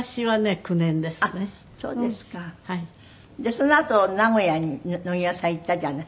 そのあと名古屋に野際さん行ったじゃない？